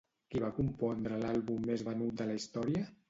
Qui va compondre l'àlbum més venut de la història?